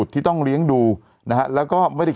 ชอบคุณครับ